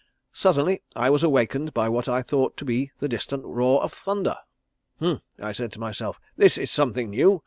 Suddenly I was awakened by what I thought to be the distant roar of thunder. 'Humph!' I said to myself. 'This is something new.